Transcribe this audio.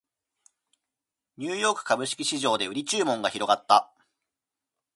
ニューヨーク株式市場で売り注文が広がった